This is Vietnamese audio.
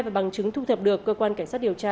và bằng chứng thu thập được cơ quan cảnh sát điều tra